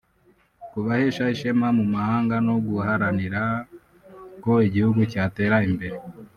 kubahesha ishema mu mahanga no guharanira ko igihugu cyatera imbere